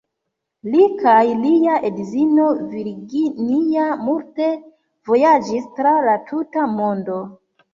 Li kaj lia edzino Virginia multe vojaĝis tra la tuta mondo.